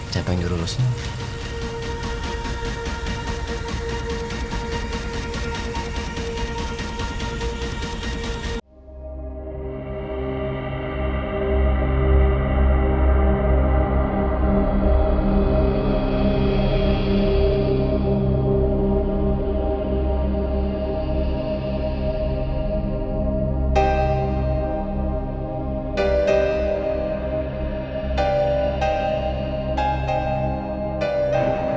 siapa yang juru lo senyum